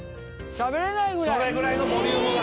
それぐらいのボリュームが。